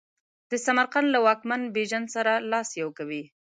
د سمرقند له واکمن بیژن سره لاس یو کوي.